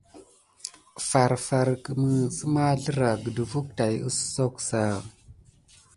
Far far ki ne àmanzləra gəɗefùt tät kusoza.